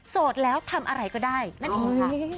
โสดแล้วทำอะไรก็ได้นั่นอีกค่ะ